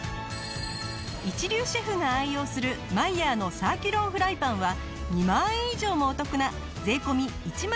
一流シェフが愛用するマイヤーのサーキュロンフライパンは２万円以上もお得な税込１万２８００円。